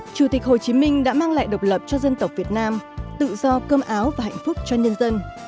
chủ tịch hồ chí minh đã mang lại độc lập cho dân tộc việt nam tự do cơm áo và hạnh phúc cho nhân dân